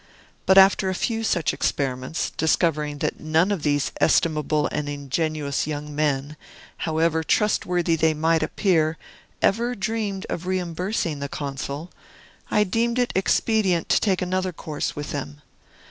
But, after a few such experiments, discovering that none of these estimable and ingenuous young men, however trustworthy they might appear, ever dreamed of reimbursing the Consul, I deemed it expedient to take another course with them.